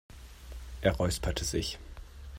Er räusperte sich.